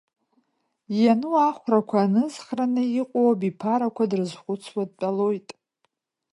Иану ахәрақәа анызхраны иҟоу абиԥарақәа дрызхәыцуа дтәалоит.